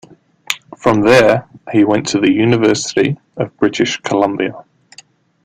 From there he went to the University of British Columbia.